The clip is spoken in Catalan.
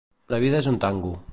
La vida és un tango.